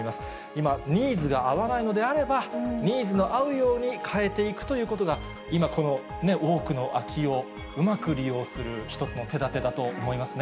今、ニーズが合わないのであれば、ニーズの合うように変えていくということが、今、この多くの空きをうまく利用する一つの手立てだと思いますね。